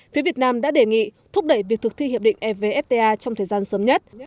phía việt nam đã đề nghị thúc đẩy việc thực thi hiệp định evfta trong thời gian sớm nhất